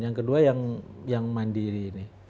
yang kedua yang mandiri